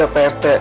ampun pak rt